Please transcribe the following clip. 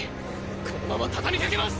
このまま畳みかけます！